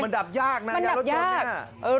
มันดับยากนะรถยนต์นี้